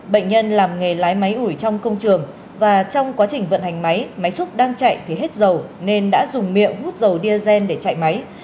bệnh nhân làm nghề lái máy ủi trong công trường và trong quá trình vận hành máy máy xúc đang chạy thì hết dầu nên đã dùng miệng hút dầu diesel để chạy máy